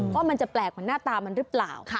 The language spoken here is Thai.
ว่ามันจะแปลกกว่าหน้าตามันหรือเปล่า